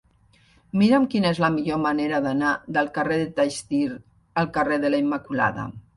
Mira'm quina és la millor manera d'anar del carrer de Taxdirt al carrer de la Immaculada.